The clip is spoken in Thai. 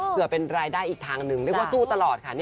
เพื่อเป็นรายได้อีกทางหนึ่งเรียกว่าสู้ตลอดค่ะ